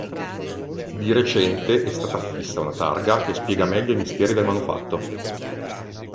Di recente è stata affissa una targa che spiega meglio i misteri del manufatto.